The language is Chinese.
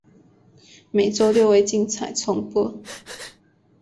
每周六为精彩重播。